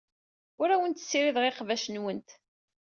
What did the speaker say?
Ur awent-ssirideɣ iqbac-nwent.